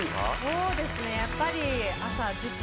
そうですね、やっぱり、朝、ＺＩＰ！